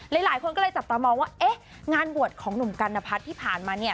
หลายคนก็เลยจับตามองว่าเอ๊ะงานบวชของหนุ่มกัณพัฒน์ที่ผ่านมาเนี่ย